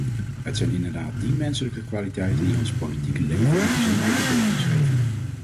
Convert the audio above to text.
Het zijn inderdaad die menselijke kwaliteiten die ons politieke leven een bijzondere betekenis geven.